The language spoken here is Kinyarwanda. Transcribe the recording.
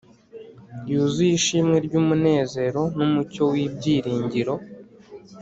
, yuzuye ishimwe ry’umunezero n’umucyo w’ibyiringiro